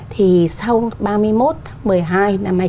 thì sau ba mươi một tháng một mươi hai